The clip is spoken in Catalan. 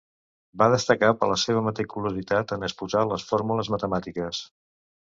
Va destacar per la seva meticulositat en exposar les fórmules matemàtiques.